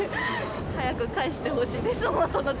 早く返してほしいです。